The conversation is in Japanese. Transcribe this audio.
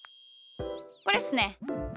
これっすね。